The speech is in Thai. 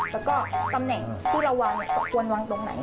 แล้วก็ตำแหน่งที่เราวางควรวางตรงไหน